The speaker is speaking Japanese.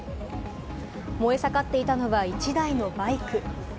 燃えさかっていたのは１台のバイク。